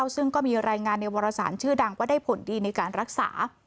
ซึ่งก็มีรายงานในวรสารชื่อดังว่าได้ผลดีในการรักษา